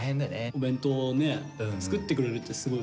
お弁当ね作ってくれるってすごい。